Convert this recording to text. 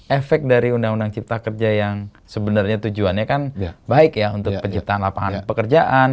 efek dari undang undang cipta kerja yang sebenarnya tujuannya kan baik ya untuk penciptaan lapangan pekerjaan